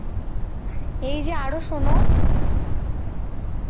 এই যে আরও শোনো।